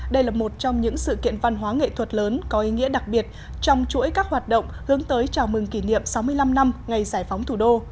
đây là một trong những sự kiện văn hóa nghệ thuật lớn có ý nghĩa đặc biệt trong chuỗi các hoạt động hướng tới chào mừng kỷ niệm sáu mươi năm năm ngày giải phóng thủ đô